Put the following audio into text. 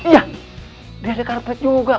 ya dia ada karpet juga